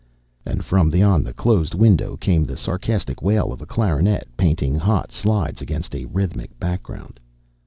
and from beyond the closed window came the sarcastic wail of a clarinet painting hot slides against a rhythmic background.